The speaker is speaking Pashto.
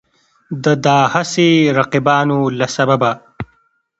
د دا هسې رقیبانو له سببه